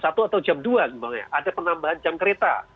atau jam dua ada penambahan jam kereta